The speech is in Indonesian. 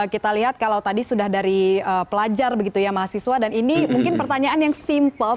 kita lihat kalau tadi sudah dari pelajar begitu ya mahasiswa dan ini mungkin pertanyaan yang simple